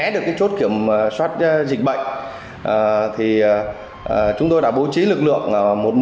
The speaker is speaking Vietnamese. để kiểm soát đối tượng